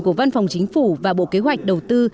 của văn phòng chính phủ và bộ kế hoạch đầu tư